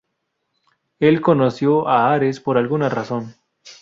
Él conoció a Ares por alguna razón.